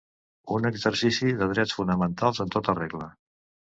Un exercici de drets fonamentals en tota regla.